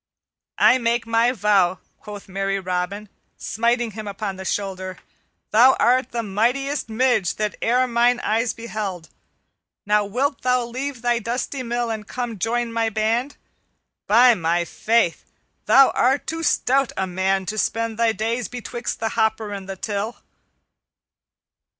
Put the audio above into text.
"I make my vow," quoth merry Robin, smiting him upon the shoulder, "thou art the mightiest Midge that e'er mine eyes beheld. Now wilt thou leave thy dusty mill and come and join my band? By my faith, thou art too stout a man to spend thy days betwixt the hopper and the till."